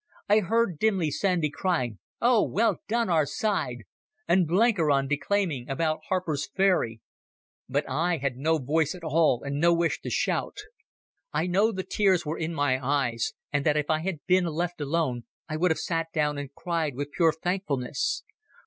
I heard dimly Sandy crying, "Oh, well done our side!" and Blenkiron declaiming about Harper's Ferry, but I had no voice at all and no wish to shout. I know the tears were in my eyes, and that if I had been left alone I would have sat down and cried with pure thankfulness.